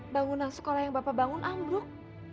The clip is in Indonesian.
bangunan sekolah yang bapak bangun ambruk